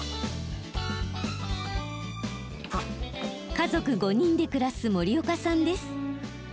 家族５人で暮らす森岡さんです。